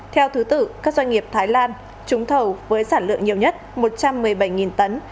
theo thứ tử các doanh nghiệp thái lan trúng thầu với sản lượng nhiều nhất một trăm một mươi bảy tấn